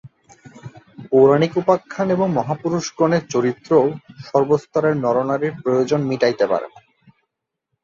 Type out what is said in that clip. পৌরাণিক উপাখ্যান এবং মহাপুরুষগণের চরিত্রও সর্বস্তরের নরনারীর প্রয়োজন মিটাইতে পারে না।